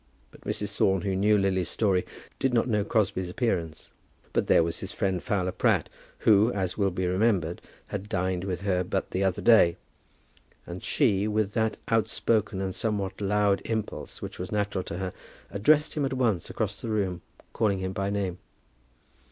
But Mrs. Thorne, who knew Lily's story, did not know Crosbie's appearance. But there was his friend Fowler Pratt, who, as will be remembered, had dined with her but the other day; and she, with that outspoken and somewhat loud impulse which was natural to her, addressed him at once across the room, calling him by name.